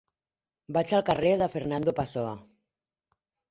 Vaig al carrer de Fernando Pessoa.